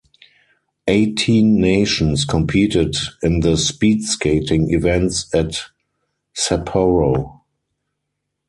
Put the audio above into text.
Eighteen nations competed in the speed skating events at Sapporo.